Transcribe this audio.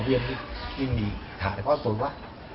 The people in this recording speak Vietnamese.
điên đi điên đi thả đầy hoa quả